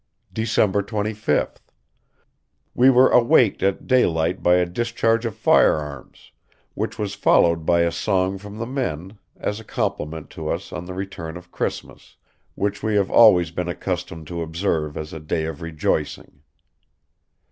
"December 25th. We were awaked at daylight by a discharge of firearms, which was followed by a song from the men, as a compliment to us on the return of Christmas, which we have always been accustomed to observe as a day of rejoicing.